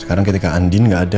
sekarang ketika andin nggak ada